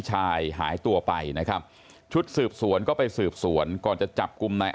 หายตัวไปนะครับชุดสืบสวนก็ไปสืบสวนก่อนจะจับกลุ่มนาย